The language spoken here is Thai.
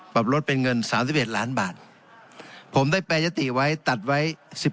ปรับลดเป็นเงิน๓๑ล้านบาทผมได้แปรยติไว้ตัดไว้๑๑